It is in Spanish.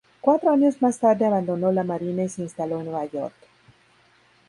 Cuatro años más tarde abandonó la marina y se instaló en Nueva York.